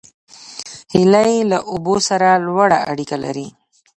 هیلۍ له اوبو سره لوړه اړیکه لري